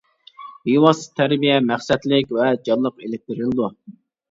بىۋاسىتە تەربىيە مەقسەتلىك ۋە جانلىق ئېلىپ بېرىلىدۇ.